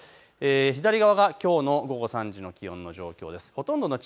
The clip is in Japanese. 左側がきょうの午後３時の気温の状況です。